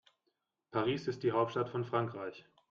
Paris ist die Hauptstadt von Frankreich.